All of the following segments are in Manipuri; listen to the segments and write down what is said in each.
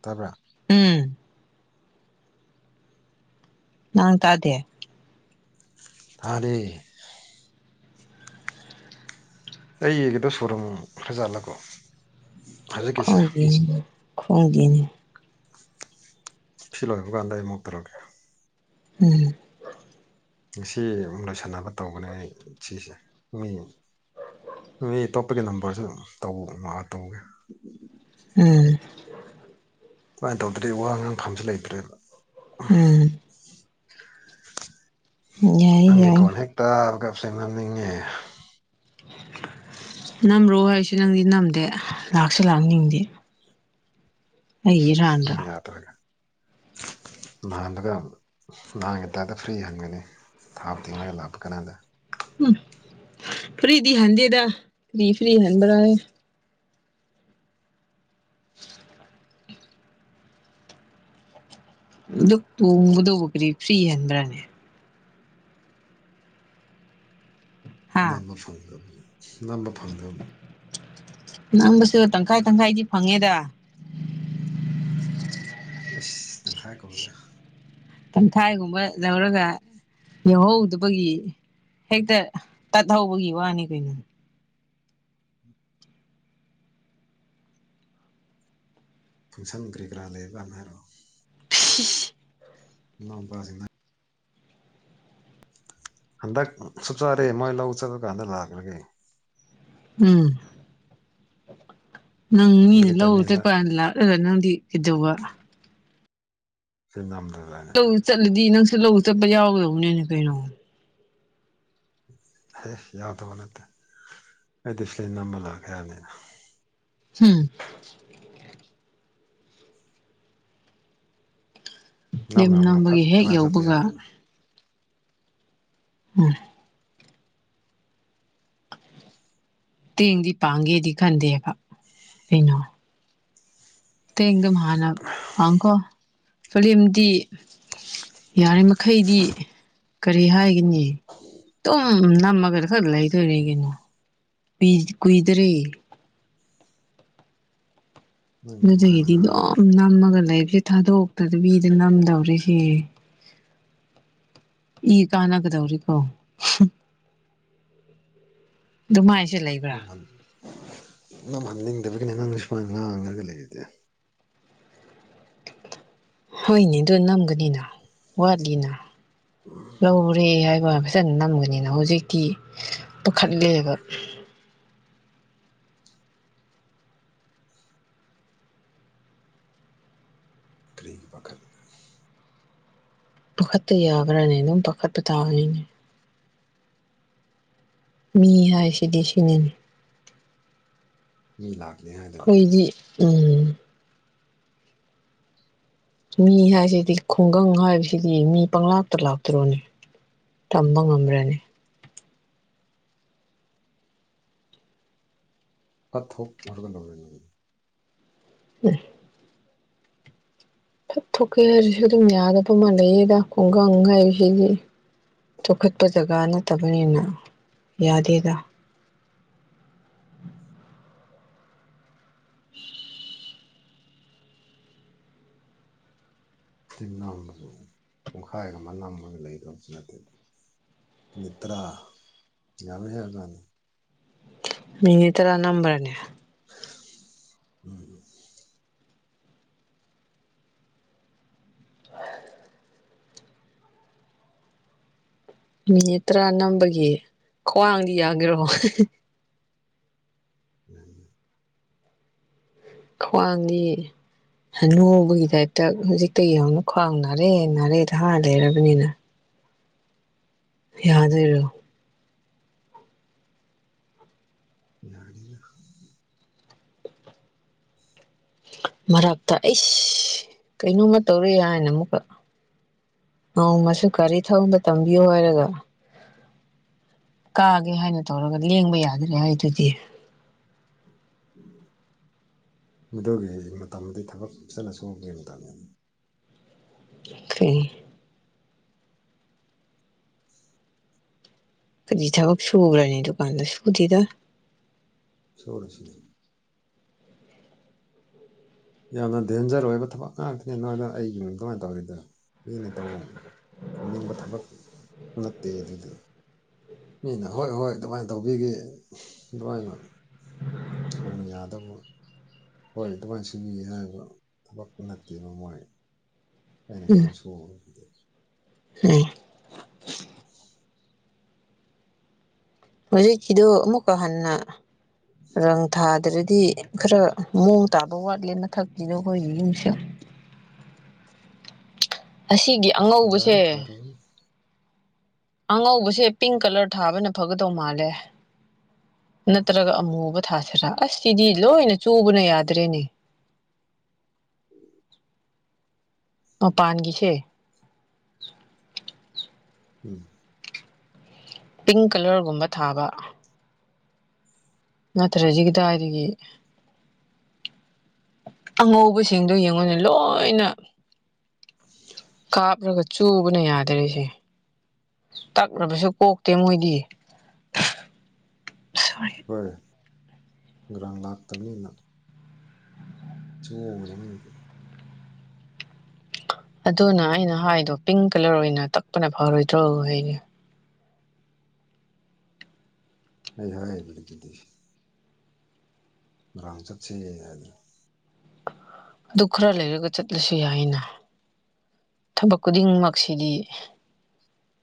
ꯇꯥꯕ꯭ꯔꯥ ꯎꯝ ꯅꯪ ꯇꯥꯗꯦ ꯇꯥꯗꯦ ꯑꯩ ꯌꯦꯡꯒꯦꯗꯣ ꯁꯣꯔꯨꯝ ꯐꯖꯥꯠꯂꯀꯣ꯫ ꯈꯪꯗꯦꯅꯦ ꯈꯪꯗꯦꯅꯦ꯫ ꯁꯤ ꯂꯣꯏꯈ꯭ꯔꯕ ꯀꯥꯟꯗ ꯑꯩ ꯑꯃꯨꯛ ꯇꯧꯔꯛꯀꯦ꯫ ꯎꯝ꯫ ꯉꯁꯤ ꯂꯣꯏꯁꯟꯅꯕ ꯇꯧꯕꯅꯦ ꯑꯩ ꯁꯤꯁꯦ ꯃꯤ ꯃꯤ ꯑꯇꯣꯞꯄꯒꯤ ꯅꯝꯕꯔꯁꯨ ꯇꯧ ꯃꯥ ꯇꯧꯒꯦ꯫ ꯎꯝ꯫ ꯃꯥꯏ ꯇꯧꯗ꯭ꯔꯤ ꯋꯥ ꯉꯥꯡꯐꯝꯁꯨ ꯂꯩꯇ꯭ꯔꯦꯕ꯫ ꯎꯝ꯫ [unintelligible] ꯌꯥꯏ ꯅꯪꯒꯤ ꯌꯥꯏ ꯀꯣꯜ ꯍꯦꯛ ꯇꯥꯕꯒ [inaudible] ꯅꯤꯡꯉꯦ꯫ ꯅꯝꯕ꯭ꯔꯣ ꯍꯥꯏꯁꯤ ꯅꯪꯗꯤ ꯅꯝꯗꯦ ꯂꯥꯛꯁꯨ ꯂꯥꯛꯅꯤꯡꯗꯦ꯫ ꯑꯩ ꯅꯪ ꯏꯔꯥꯟꯗ꯭ꯔꯥ ꯌꯥꯗ꯭ꯔꯒ꯫ [unintelligible] ꯅꯍꯥꯟꯒꯤ ꯇꯥꯏꯞꯇ ꯐ꯭ꯔꯤ ꯍꯟꯒꯅꯤ꯫ ꯊꯥꯎ ꯇꯤꯡꯉꯒ ꯂꯥꯛꯄ ꯀꯥꯅꯗ꯫ ꯎꯝ ꯐ꯭ꯔꯤꯗꯤ ꯍꯥꯟꯗꯦꯗ ꯀꯔꯤ ꯐ꯭ꯔꯤ ꯍꯟꯕꯔꯥ ꯏ꯫ [inaudible] ꯑꯗꯨꯛ ꯇꯣꯡꯕꯗꯨꯕꯨ ꯀꯔꯤ ꯐ꯭ꯔꯤ ꯍꯟꯕ꯭ꯔꯥꯅꯦ꯫ ꯍꯥ ꯅꯝꯕ ꯐꯪꯗꯕꯨ ꯅꯝꯕ ꯐꯪꯗꯕꯕꯨ꯫ ꯅꯝꯕꯁꯨ ꯇꯪꯈꯥꯏ ꯇꯪꯈꯥꯏꯗꯤ ꯐꯪꯉꯦꯗ꯫ ꯑꯁ ꯇꯪꯈꯥꯏ ꯀꯧꯗ꯫ ꯇꯪꯈꯥꯏꯒꯨꯝꯕ ꯂꯧꯔꯒ ꯌꯧꯍꯧꯗꯕꯒꯤ ꯍꯦꯛꯇ ꯇꯠꯍꯧꯕꯒꯤ ꯋꯥꯅꯤ ꯀꯩꯅꯣ꯫ ꯐꯪꯁꯟ ꯀ꯭ꯔꯤ ꯀꯥꯔꯥ ꯂꯩꯔꯥ ꯀꯥꯟꯗ ꯍꯥꯏꯔꯛꯑꯣ꯫ [unintelligible] [inaudible] ꯍꯟꯗꯛ ꯁꯨꯛꯁꯥꯗꯩ ꯃꫭꯏ ꯂꯧ ꯆꯠꯂꯥ ꯀꯥꯟꯗ ꯂꯥꯛꯔꯒꯦ꯫ ꯎꯝ ꯅꯪ ꯃꯤꯅ ꯑꯗꯨꯒꯤ ꯂꯧ ꯇꯥꯏꯃꯤꯡꯗ ꯆꯇꯄ ꯉꯥꯟꯗ ꯂꯥꯛ ꯔꯨꯒ ꯅꯪꯗꯤ ꯀꯩꯗꯧꯕ꯫ ꯐꯤꯜꯃ ꯅꯝꯗꫭꯏꯕ ꯑꯩꯅ꯫ ꯂꯧ ꯆꯠꯂꯗꯤ ꯅꯪꯁꯨ ꯂꯧ ꯆꯠꯄ ꯌꯥꯎꯒꯗꯧꯕꯅꯤꯅꯦ ꯀꯩꯅꯣ꯫ ꯍꯦ ꯌꯥꯎꯗꯧꯕ ꯅꯠꯇꯦ ꯑꯩꯗꯤ ꯐꯤꯂꯝ ꯅꯝꯕ ꯂꯥꯛꯀꯦ ꯍꯥꯏꯕꯅꯤꯗ꯫ ꯍꯨꯝ꯫ ꯅꯝ ꯐꯤꯂꯝ ꯅꯝꯒ ꯐꯠ ꯅꯝꯕꯒꯤ ꯍꯦꯛ ꯇꯣꯉꯥꯟ ꯆꯠꯄ ꯌꯧꯕꯒ ꯌꯥꯔꯦꯅ [unintelligible] ꯇꯦꯡꯗꯤ ꯄꯥꯡꯒꯦꯗꯤ ꯈꯟꯗꯦꯕ ꯀꯩꯅꯣ꯫ ꯇꯦꯡꯗꯨꯝ ꯍꯥꯟ ꯄꯥꯡꯈꯣ꯫ ꯐꯤꯂꯝꯗꯤ ꯌꯥꯔꯤ ꯃꯈꯩꯗꯤ ꯀꯔꯤ ꯍꯥꯏꯒꯅꯤ꯫ ꯏ ꯇꯨꯝ ꯎꯝ ꯅꯝꯒ ꯈꯔ ꯂꯩꯗꯧꯔꯤ ꯀꯩꯅꯣ ꯀꯨꯏ ꯀꯨꯏꯗꯔꯦ꯫ ꯅꯪ ꯑꯗꯨꯃꯥꯏꯅ ꯑꯗꯨꯗꯒꯤꯗꯤ ꯉꯥꯡꯕꯗꯤ ꯑꯗꯨꯝ ꯅꯝꯃꯒ ꯂꯩꯕꯁꯦ ꯊꯥꯗꯣꯛꯇꯗꯕꯤꯗ ꯅꯝꯗꯧꯔꯤꯁꯤ꯫ ꯏ ꯀꯥꯟꯅꯒꯗꯧꯔꯤꯀꯣ꯫ ꯑꯗꯨꯃꯥꯏꯁꯦ ꯂꯩ ꯅꯝꯍꯟ ꯅꯝꯍꯟꯅꯤꯡꯗꯕꯒꯤꯅꯤ ꯅꯪꯅ ꯁꯨꯃꯥꯏꯅ ꯉꯥꯡꯉꯒ ꯂꯩꯔꯤꯗꯤ꯫ ꯍꯣꯏꯅꯦ ꯑꯗꯨ ꯅꯝꯒꯅꯤꯅ ꯋꯥꯠꯂꯤꯅ ꯂꯧꯔꯦ ꯍꯥꯏꯕ ꯐꯖꯟꯅ ꯅꯝꯒꯅꯤꯅ ꯍꯧꯖꯤꯛꯇꯤ ꯄꯥꯈꯠꯂꯦꯕ ꯀꯔꯤꯒꯤ ꯄꯥꯈꯠꯂꯤꯕ ꯄꯥꯈꯠꯇ ꯌꯥꯕ꯭ꯔꯥꯅꯦ ꯑꯗꯨꯝ ꯄꯥꯈꯠꯄ ꯇꯥꯕꯅꯤꯅꯦ ꯃꯤ ꯍꯥꯏꯁꯤꯗꯤ ꯁꯤꯅꯤꯅꯦ ꯃꯤ ꯂꯥꯛꯒꯅꯤ ꯍꯥꯏ ꯈꯣꯏꯗꯤ ꯎꯝ ꯃꯤ ꯍꯥꯏꯁꯤꯗꯤꯀꯣ ꯈꯨꯡꯒꯪ ꯍꯥꯏꯕꯁꯤꯗꯤ ꯃꯤ ꯄꯪꯂꯥꯛꯇ ꯂꯥꯛꯇ꯭ꯔꯣꯅꯦ ꯇꯝꯕ ꯉꯝꯕ꯭ꯔꯥꯅꯦ ꯀꯠꯊꯣꯛ [unintelligible] ꯎꯝ ꯐꯠ ꯊꯣꯛꯀꯦ ꯍꯥꯏꯔꯤꯁꯨ ꯑꯗꯨꯝ ꯌꯥꯗꯕ ꯑꯃ ꯂꯩꯌꯦꯗ ꯈꯨꯡꯒꯪ ꯍꯥꯏꯕꯁꯤꯗꯤ ꯆꯥꯎ ꯈꯠꯄ ꯖꯒꯥ ꯅꯠꯇꯕꯅꯤꯅ ꯌꯥꯗꯦꯗ [inaudible] ꯐꯤꯂꯝ ꯅꯝꯕꯕꯨ ꯄꯨꯡꯈꯥꯏ ꯑꯃ ꯅꯝꯃꯒ ꯂꯩꯒꯗꯕꯁꯨ ꯅꯠꯇꯦ ꯃꯅꯤꯠ ꯇꯔꯥ ꯌꯥꯝꯃꯦ ꯍꯥꯏꯀꯥꯟꯗ ꯃꯤꯅꯤꯠ ꯇꯔꯥ ꯅꯝꯕꯔꯥꯅꯦ [inaudible] ꯎꯝ [inaudible] ꯃꯤꯅꯤꯠ ꯇꯔꯥ ꯅꯝꯕꯒꯤ ꯈ꯭ꯋꯥꯡꯗꯤ ꯌꯥꯒꯦꯔꯣ ꯑꯝ ꯈ꯭ꯋꯥꯡꯗꯤ ꯍꯥꯅꯨꯕꯒꯤ ꯇꯥꯏꯞꯇ ꯍꯧꯖꯤꯛꯇꯒꯤ ꯍꯧꯅ ꯈ꯭ꯋꯥꯡ ꯅꯥꯔꯦ ꯅꯥꯔꯦꯗ ꯍꯥꯏꯔ ꯂꯩꯔꯕꯅꯤꯅ ꯌꯥꯗꯣꯏꯔꯣ ꯌꯥꯅꯤꯅ [inaudible] ꯃꯔꯛꯇ ꯑꯩꯁ ꯀꯩꯅꯣꯝꯃ ꯇꯧꯔꯦ ꯍꯥꯏꯅ ꯑꯃꯨꯛꯀ ꯅꯣꯡꯃꯁꯨ ꯒꯥꯔꯤ ꯊꯧꯕ ꯇꯝꯕꯤꯌꯨ ꯍꯥꯏꯔꯒ ꯀꯥꯒꯦ ꯍꯥꯏꯅ ꯇꯧꯔꯒ ꯂꯦꯡꯕ ꯌꯥꯗ꯭ꯔꯦ ꯍꯥꯏꯗꯨꯗꯤ ꯑꯗꯨꯒꯤ ꯃꯇꯝꯗꯤ ꯊꯕꯛ ꯆꯠꯂꯁꯨ ꯁꯨꯕꯒꯤ ꯃꯇꯝꯅꯤꯅꯦ ꯀꯔꯤ ꯀꯔꯤ ꯊꯥꯕꯛ ꯁꯨꯕ꯭ꯔꯥꯅꯦ ꯑꯗꯨꯀꯥꯟꯗ ꯁꯨꯨꯗꯦꯗ ꯁꯣꯁꯤ [unintelligible] ꯌꯥꯝꯅ ꯗꯦꯟꯖꯔ ꯑꯣꯏꯕ ꯊꯕꯛ ꯉꯥꯛꯇꯅꯦ ꯅꯣꯏꯅ ꯑꯩꯒꯤ ꯀꯃꯥꯏꯅ ꯇꯧꯔꯤꯗꯣ ꯃꯤꯅ ꯇꯧ ꯊꯝꯅꯤꯡꯕ ꯊꯕꯛ ꯅꯠꯇꯦ ꯑꯗꯨꯗꯨ ꯃꯤꯅ ꯍꯣꯏ ꯍꯣꯏ ꯑꯗꯨꯃꯥꯏꯅ ꯇꯧꯕꯤꯒꯦ ꯑꯗꯨꯃꯥꯏꯅ ꯊꯨꯅ ꯌꯥꯗꯕ ꯍꯣꯏ ꯑꯗꯨꯃꯥꯏ ꯁꯨꯕꯤ ꯍꯥꯏꯕ ꯊꯕꯛ ꯅꯠꯇꯦꯕ ꯃꯣꯏ ꯑꯩꯅ ꯎꯝ ꯂꯣꯏ ꯁꯨꯕꯅꯦ ꯎꯝ [inaudible] ꯍꯧꯖꯤꯛꯀꯤꯗꯣ ꯑꯃꯨꯛꯀ ꯍꯟꯅ ꯔꯪ ꯊꯥꯗ꯭ꯔꯗꯤ ꯈꯔ ꯃꯑꯣꯡ ꯇꯥꯕ ꯋꯥꯥꯠꯂꯦ ꯃꯊꯛꯀꯤꯗꯣ ꯑꯩꯈꯣꯏꯒꯤ ꯌꯨꯝꯁꯦ ꯑꯁꯤꯒꯤ ꯑꯉꯧꯕꯁꯦ ꯌꯥꯔꯦ ꯊꯥꯔꯛꯑꯣ ꯑꯉꯧꯕꯁꯦ ꯄꯤꯡ ꯀꯥꯂ꯭ꯔ ꯊꯥꯕꯅ ꯐꯒꯗꯧ ꯃꯥꯜꯂꯦ ꯅꯠꯇ꯭ꯔꯒ ꯑꯃꯨꯕ ꯊꯁꯤꯔꯥ ꯑꯁ ꯁꯤꯗꯤ ꯂꯣꯏꯅ ꯆꯨꯕꯅ ꯌꯥꯗ꯭ꯔꯦꯅꯦ ꯃꯄꯥꯟꯒꯤꯁꯦ ꯎꯝ ꯄꯤꯡ ꯀꯂꯔꯒꯨꯝꯕ ꯊꯥꯕ ꯅꯠꯇ꯭ꯔꯗꯤ ꯀꯗꯥꯏꯗꯒꯤ ꯑꯉꯧꯕꯁꯤꯡꯗꯣ ꯌꯦꯡꯉꯣꯅꯦ ꯂꯣꯏꯅ ꯀꯥꯞꯂꯒ ꯆꯨꯕꯅ ꯌꯥꯗ꯭ꯔꯤꯁꯦ ꯇꯛꯔꯕꯁꯨ ꯀꯣꯛꯇꯦ ꯃꯣꯏꯗꯤ ꯁꯣꯔꯤ ꯍꯣꯏ ꯒ꯭ꯔꯥꯡ ꯂꯥꯛꯇꯃꯤꯅ ꯆꯥꯡꯉꯨꯕꯅꯦ ꯃꯣꯏꯗꯤ ꯑꯗꯨꯅ ꯑꯩꯅ ꯍꯥꯏꯗꯣ ꯄꯤꯡ ꯀꯂꯔ ꯑꯣꯏꯅ ꯇꯛꯄꯅ ꯐꯔꯣꯏꯗ꯭ꯔꯣ ꯍꯥꯏꯅ ꯑꯩ ꯍꯥꯏꯔꯤꯕꯗꯨꯗꯤ ꯉꯔꯥꯡ ꯆꯥꯠꯁꯦ ꯍꯥꯏꯗꯅꯥ ꯑꯗꯨ ꯈꯔ ꯂꯩꯔꯒ ꯆꯠꯂꯁꯨ ꯌꯥꯏꯅ ꯊꯕꯛ ꯈꯨꯗꯤꯡꯃꯛꯁꯤꯗꯤ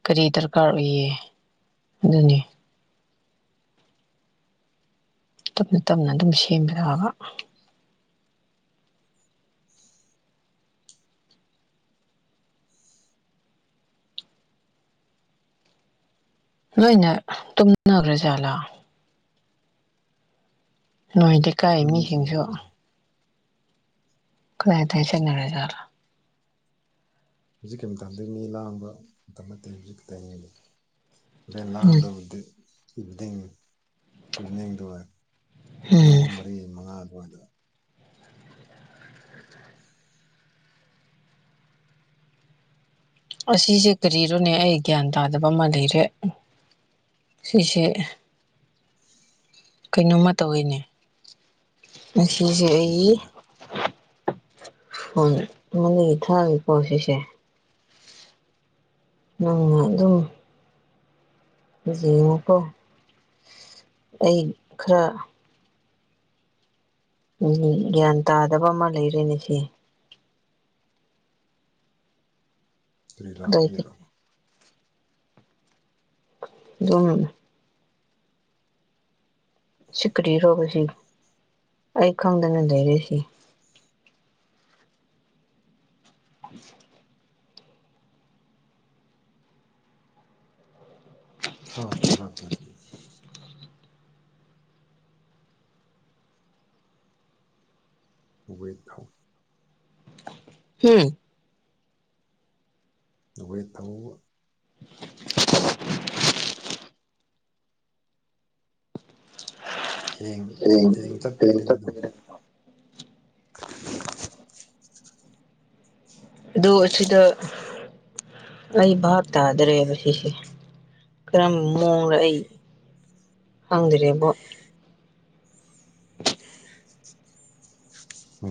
ꯀꯔꯤ ꯗꯔꯀꯥꯔ ꯑꯣꯏꯌꯦ ꯑꯗꯨꯅꯤ ꯇꯞꯅ ꯇꯞꯅ ꯑꯗꯨꯝ ꯁꯦꯝꯕꯤꯔꯛ ꯑꯒ ꯂꯣꯏꯅ ꯇꯨꯝꯅꯒ꯭ꯔꯥ ꯖꯥꯠꯂꯥ ꯅꯣꯏ ꯀꯥꯏ ꯑꯩꯈꯣꯏ ꯃꯤꯁꯤꯡ ꯃꯤꯁꯤꯡꯁꯨ ꯂꯩꯇꯦ ꯀꯗꯥꯏ ꯀꯗꯥꯏ ꯆꯥꯠꯅꯈꯔꯖꯠꯂꯥ ꯍꯧꯖꯤꯛꯀꯤ ꯃꯇꯝꯗ ꯃꯤ ꯂꯥꯡꯕ ꯃꯇꯝ ꯅꯠꯇꯦ ꯍꯧꯖꯤꯛꯀꯤꯛ ꯇꯥꯏꯃꯤꯡꯗ ꯎꯝ ꯂꯥꯡꯗꯕꯗꯤ ꯏꯚꯤꯅꯤꯡ ꯏꯚꯤꯅꯤꯡꯗꯨ ꯋꯥꯏ ꯄꯨꯡ ꯎꯝ ꯑꯍꯨꯝ ꯃꯔꯤ ꯃꯉꯥꯗꯨꯋꯥꯏꯗ ꯑꯁꯤꯁꯦ ꯀꯔꯤꯔꯣꯅꯦ ꯑꯩ ꯒ꯭ꯌꯥꯟ ꯇꯥꯗꯕ ꯑꯃ ꯂꯩꯔꯦ ꯁꯤꯁꯦ ꯀꯩꯅꯣꯝꯃ ꯇꯧꯋꯤꯅꯦ ꯉꯁꯤꯁꯦ ꯀꯔꯤ ꯑꯩ ꯇꯧꯕ꯭ꯔꯥ ꯍꯣꯏ [unintelligible] ꯊꯥꯡ ꯄꯣ ꯁꯤꯁꯦ ꯅꯪꯅ ꯑꯗꯨꯝ ꯅꯣꯏꯖꯨ ꯌꯦꯡꯉꯣꯀꯣ ꯑꯩ ꯈꯥꯔ ꯎꯝ ꯒꯌꯥꯟ ꯇꯥꯗꯕ ꯑꯃ ꯂꯩꯔꯦꯅꯦ ꯁꯤ ꯀꯔꯤꯔꯥ ꯑꯗꯨꯏꯗꯤ ꯀꯔꯤꯔꯥ ꯑꯗꯨꯝ ꯁꯤ ꯀ꯭ꯔꯤꯔꯣꯕ ꯁꯤ ꯑꯩ ꯈꯪꯗꯅ ꯂꯩꯔꯦꯁꯤ [unintelligible] ꯊꯥꯁꯨ ꯊꯥꯔꯛꯇꯅ ꯎꯕꯩ ꯇꯥꯎ ꯍꯨꯝ ꯇꯩꯌꯦ ꯇꯧꯕꯥ ꯍꯌꯦꯡ ꯍꯌꯦꯡ ꯆꯠꯄꯒꯤꯗꯣ ꯑꯗꯨꯗꯣ [unintelligible] ꯑꯗꯨ ꯑꯁꯤꯗ ꯑꯩ ꯚꯥꯞ ꯇꯥꯗ꯭ꯔꯦꯕ ꯁꯤꯁꯦ ꯀꯔꯝꯕ ꯃꯑꯣꯡꯗ ꯑꯩ ꯈꯪꯗ꯭ꯔꯦꯕꯣ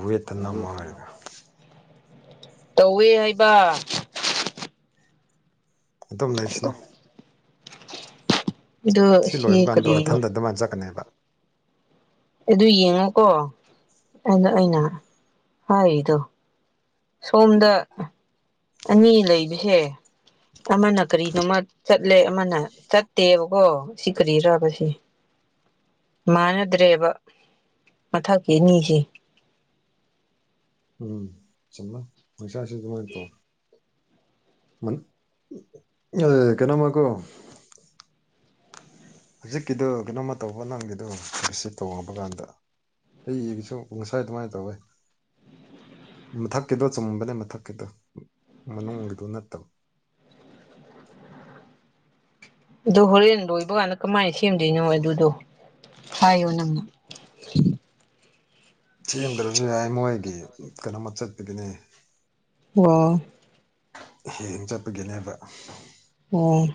ꯕꯨꯌꯦꯠꯇ ꯅꯝꯃꯣ ꯍꯥꯏꯔꯒ ꯇꯧꯋꯦ ꯍꯥꯏꯕ ꯑꯗꯨꯝ ꯂꯩꯁꯅꯨ ꯑꯗꯨ ꯁꯤ ꯂꯣꯏꯕ ꯀꯥꯟꯗ ꯀꯔꯤ ꯃꯊꯟꯗ ꯑꯗꯨꯃꯥꯏꯅ ꯆꯠꯀꯅꯦꯕ ꯑꯗꯨ ꯌꯦꯡꯉꯣꯀꯣ ꯑꯗꯨ ꯑꯩꯅ ꯍꯥꯏꯔꯤꯗꯣ ꯁꯣꯝꯗ ꯑꯅꯤ ꯂꯩꯕꯁꯦ ꯑꯃꯅ ꯀꯔꯤꯅꯣꯃꯥ ꯆꯠꯂꯦ ꯑꯃꯅ ꯆꯠꯇꯦꯕꯀꯣ ꯁꯤ ꯀ꯭ꯔꯤꯔꯕꯁꯦ ꯃꯥꯟꯅꯗ꯭ꯔꯦꯕ ꯃꯊꯛꯀꯤ ꯑꯅꯤꯁꯦ ꯎꯝ ꯆꯨꯝꯃꯦ [unintelligible] ꯑꯦ ꯀꯩꯅꯣꯝꯃꯀꯣ ꯍꯧꯖꯤꯛꯀꯤꯗꯣ ꯀꯩꯅꯣꯃ ꯇꯧꯕ ꯅꯪꯒꯤꯗꯣ ꯁꯤ ꯇꯩꯕ ꯀꯥꯟꯗ ꯑꯩꯒꯤꯁꯨ ꯉꯁꯥꯏ ꯑꯗꯨꯃꯥꯏ ꯇꯧꯋꯦ ꯃꯊꯛꯀꯤꯗꯣ ꯆꯨꯝꯕꯅꯦ ꯃꯊꯛꯀꯤꯗꯣ ꯃꯅꯨꯡꯒꯤꯗꯣ ꯅꯠꯇꯕ ꯑꯗꯣ ꯍꯣꯔꯦꯟ ꯂꯣꯏꯕ ꯀꯥꯟꯗ ꯀꯃꯥꯏꯅ ꯁꯦꯝꯗꯣꯏꯅꯣ ꯑꯗꯨꯗꯣ ꯍꯥꯏꯌꯣ ꯅꯪꯅ ꯁꯦꯡꯗ꯭ꯔꯁꯨ ꯌꯥꯏ ꯃꯣꯏꯒꯤ ꯀꯩꯅꯣꯝꯃ ꯆꯠꯄꯗꯒꯤꯅꯦ ꯑꯣ ꯍꯦꯡ ꯆꯠꯄꯒꯤꯅꯦꯕ ꯑꯣ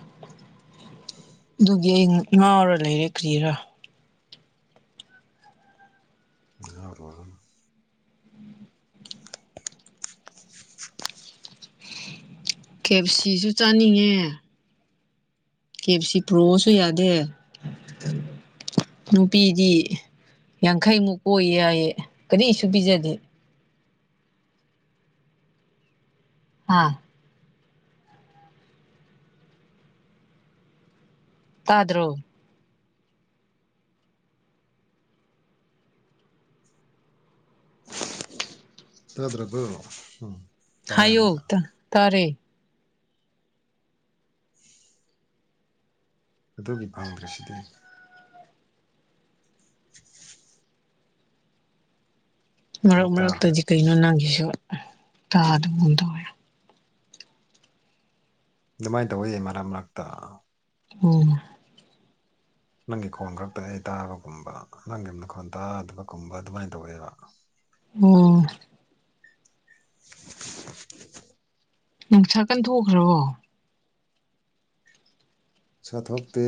[inaudible] ꯑꯗꯨꯒꯤ ꯑꯩ ꯉꯥꯎꯔ ꯂꯩꯔꯦ ꯀ꯭ꯔꯤꯔꯥ ꯉꯥꯎꯔꯨꯔꯅꯨ [unintelligible] ꯀꯦ ꯑꯦꯐ ꯁꯤꯁꯨ ꯆꯥꯅꯤꯡꯉꯦ ꯀꯦ ꯑꯦꯐ ꯁꯤ ꯄꯨꯔꯛꯑꯣꯁꯨ ꯌꯥꯗꯦ ꯅꯨꯄꯤꯗꯤ ꯌꯥꯡꯈꯩꯃꯨꯛ ꯀꯣꯏ ꯌꯥꯏꯌꯦ ꯀꯔꯤꯁꯨ ꯄꯤꯖꯗꯦ ꯍꯥ ꯇꯥꯗ꯭ꯔꯣ ꯇꯥꯗ꯭ꯔꯕꯣ ꯎꯝ ꯇꯥꯔꯦ ꯍꯥꯏꯌꯣ ꯑꯃꯨꯛꯀ ꯇꯥ ꯇꯥꯔꯦ [inaudible] ꯑꯗꯨꯒꯤ ꯐꯪꯗ꯭ꯔꯁꯤꯗꯤ [inaudible] ꯃꯔꯛ ꯑꯃꯨꯛ ꯇꯥꯗ꯭ꯔꯦ ꯃꯔꯛꯇꯗꯤ ꯀꯩꯅꯣ ꯅꯪꯒꯤꯁꯨ ꯇꯥꯗꯕꯒꯨꯝ ꯇꯧꯋꯦ ꯑꯗꯨꯃꯥꯏꯅ ꯇꯧꯋꯦ ꯃꯔꯛ ꯃꯔꯛꯇ ꯎꯝ ꯅꯪꯒꯤ ꯈꯣꯟ ꯈꯛꯇ ꯑꯩ ꯇꯥꯕꯒꯨꯝꯕ ꯅꯪꯒꯤ ꯃꯈꯣꯟ ꯇꯥꯗꯕꯒꯨꯝꯕ ꯑꯗꯨꯃꯥꯏꯅ ꯇꯧꯋꯦꯕ ꯎꯝ [unintelligible] ꯅꯨꯡꯁꯥ ꯀꯟ ꯊꯣꯛꯈ꯭ꯔꯕꯣ ꯁꯥ ꯊꯣꯛꯇꯦ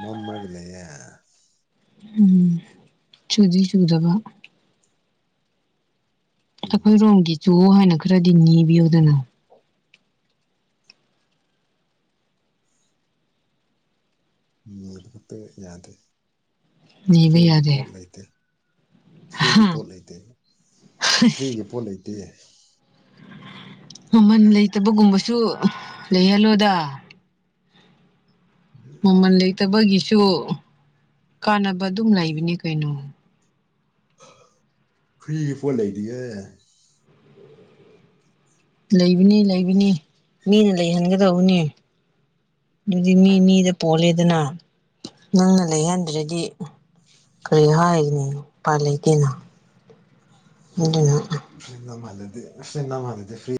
ꯃꯥꯝꯃꯒ ꯂꯩꯌꯦ ꯎꯝ ꯆꯨꯗꯤ ꯆꯨꯗꯕ ꯎꯝ ꯑꯩꯈꯣꯏ ꯔꯣꯝꯒꯤ ꯆꯨ ꯍꯥꯏꯅ ꯈꯔꯗꯤ ꯅꯤꯕꯤꯌꯨꯗꯅ [unintelligible] ꯈꯛꯇ ꯌꯥꯗꯦ ꯅꯤꯕ ꯐ꯭ꯔꯤꯒꯤ ꯄꯣꯠ ꯌꯥꯗꯦ ꯂꯩꯇꯦ ꯐ꯭ꯔꯤꯒꯤ ꯄꯣꯠ ꯂꯩꯇꯦ ꯐ꯭ꯔꯤꯒꯤ ꯄꯣꯠ ꯂꯩꯇꯤꯌꯦ ꯃꯃꯟ ꯂꯩꯇꯕꯒꯨꯝꯕꯁꯨ ꯂꯩꯍꯜꯂꯣꯗ ꯃꯃꯜ ꯂꯩꯇꯕꯒꯤꯁꯨ ꯀꯥꯟꯅꯕ ꯑꯗꯨꯝ ꯂꯩꯕꯅꯦ ꯀꯩꯅꯣ ꯐꯔꯤꯒꯤ ꯄꯣꯠ ꯂꯩꯇꯤꯌꯦ ꯂꯩꯕꯅꯤ ꯂꯩꯕꯅꯤ ꯃꯤꯅ ꯂꯩꯍꯟꯒꯗꯧꯕꯅꯤ ꯑꯗꯨꯗꯤ ꯃꯤ ꯃꯤꯗ ꯄꯣꯜꯂꯦꯗꯅ ꯅꯪꯅ ꯂꯩꯍꯟꯗ꯭ꯔꯗꯤ ꯀꯔꯤ ꯍꯥꯏꯒꯅꯤ ꯎꯄꯥꯏ ꯂꯩꯇꯦꯅ ꯑꯗꯨꯅ ꯐꯤꯂꯝ ꯅꯥꯝꯍꯜꯂꯗꯤ ꯐꯤꯅꯥꯝꯍꯜꯂꯗꯤ ꯐ꯭ꯔꯤ